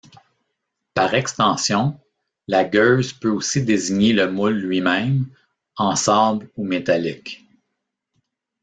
Par extension, la gueuse peut aussi désigner le moule lui-même, en sable ou métallique.